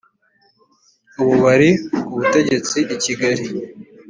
ubu bari ku butegetsi i kigali.